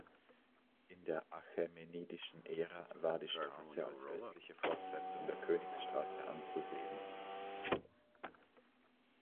In der achämenidischen Ära war die Straße als östliche Fortsetzung der Königsstraße anzusehen.